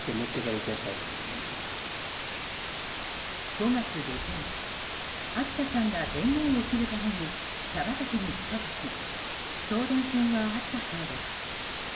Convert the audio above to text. ５月下旬、秋田さんが電源を切るために茶畑に来た時送電線はあったそうです。